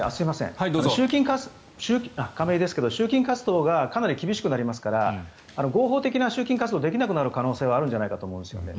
ただ、集金活動がかなり厳しくなりますから合法的な集金活動ができなくなる可能性はあるんじゃないかと思うんですね。